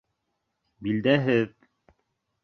Билдәһеҙ.